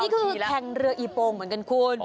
ก็คือแข่งเรืออีโปงเหมือนกันคุณ